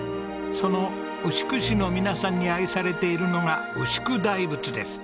その牛久市の皆さんに愛されているのが牛久大仏です。